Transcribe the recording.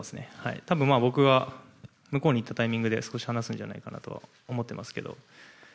多分、僕が向こうに行ったタイミングで話すんじゃないかと思っていますけど。